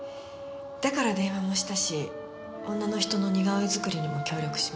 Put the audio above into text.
だから電話もしたし女の人の似顔絵作りにも協力しました。